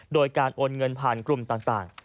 โดยการโอนเงินผ่านกลุ่มต่าง